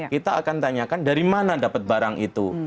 kita akan tanyakan dari mana dapat barang itu